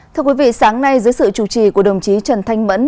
thưa quý vị sáng nay dưới sự chủ trì của đồng chí trần thanh mẫn